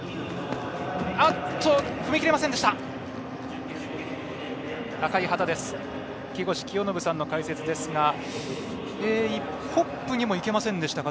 踏み切れませんでした。